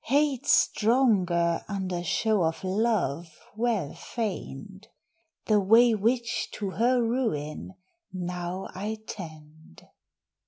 Hate stronger, under show of love well feigned; The way which to her ruin now I tend."